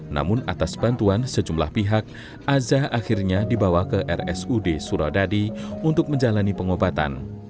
namun atas bantuan sejumlah pihak azah akhirnya dibawa ke rsud suradadi untuk menjalani pengobatan